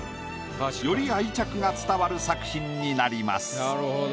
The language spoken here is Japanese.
より愛着が伝わる作品になります。